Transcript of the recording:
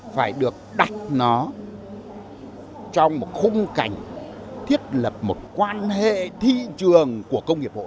phải được đặt nó trong một khung cảnh thiết lập một quan hệ thị trường của công nghiệp hỗ trợ